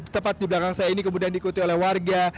tepat di belakang saya ini kemudian diikuti oleh warga